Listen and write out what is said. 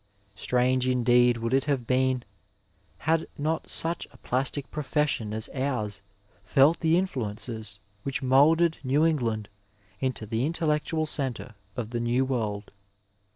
Strange indeed would it have been had not such a plastic profession as ours felt the influences which moulded New England into the in tellectual centre of the New World.